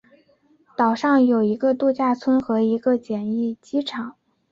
岛上有一个度假村和一个简易机场。